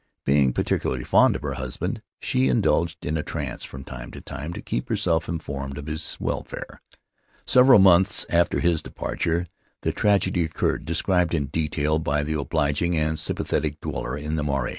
Being particularly fond of her husband, she indulged in a trance from time to time, to keep herself informed as to his welfare. Several months after his departure the tragedy occurred — described in detail by the obliging and sympathetic dweller in the marae.